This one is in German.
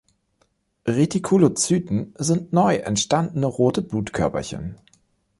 Retikulozyten sind neu entstandene rote Blutkörperchen.